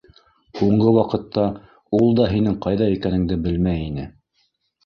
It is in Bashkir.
Һуңғы ваҡытта ул да һинең ҡайҙа икәнеңде белмәй ине.